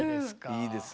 いいですね。